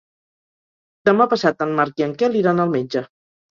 Demà passat en Marc i en Quel iran al metge.